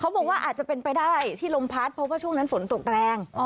บอกว่าอาจจะเป็นไปได้ที่ลมพัดเพราะว่าช่วงนั้นฝนตกแรง